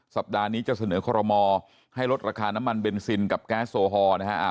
สัปดาห์นี้จะเสนอคอรมอให้ลดราคาน้ำมันเบนซินกับแก๊สโซฮอลนะฮะ